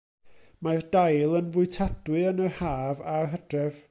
Mae'r dail yn fwytadwy yn yr haf a'r hydref.